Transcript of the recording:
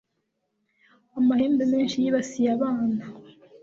Amahembe menshi yibasiye abana.